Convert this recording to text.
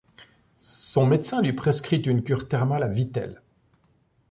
Son médecin lui prescrit une cure thermale à Vittel.